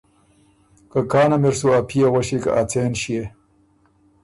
که کانه مِر سُو ا پئے غؤݭی که ا څېن ݭيې؟